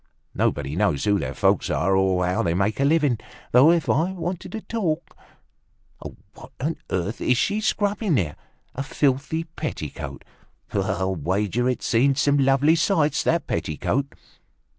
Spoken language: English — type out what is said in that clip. Nobody knows who their folks are or how they make a living. Though, if I wanted to talk ... What on earth is she scrubbing there? A filthy petticoat. I'll wager it's seen some lovely sights, that petticoat!"